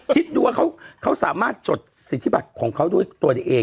คิดดูว่าเขาสามารถจดสิทธิบัตรของเขาด้วยตัวเอง